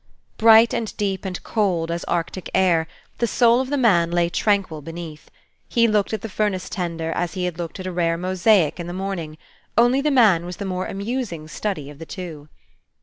Bright and deep and cold as Arctic air, the soul of the man lay tranquil beneath. He looked at the furnace tender as he had looked at a rare mosaic in the morning; only the man was the more amusing study of the two.